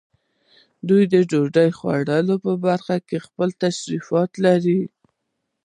دوی د ډوډۍ خوړلو په برخه کې خپل تشریفات لرل.